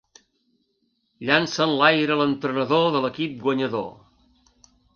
Llança enlaire l'entrenador de l'equip guanyador.